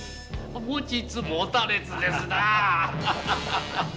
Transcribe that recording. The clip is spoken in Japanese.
持ちつ持たれつですな。